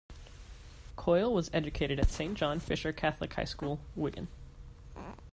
Coyle was educated at Saint John Fisher Catholic High School, Wigan.